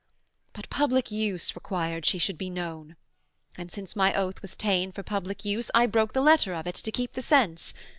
But public use required she should be known; And since my oath was ta'en for public use, I broke the letter of it to keep the sense.